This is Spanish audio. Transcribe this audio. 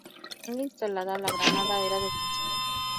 Con la manga instalada, la granada era "defensiva".